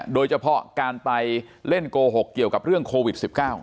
โดยเฉพาะการไปเล่นโกหกเกี่ยวกับเรื่องโควิด๑๙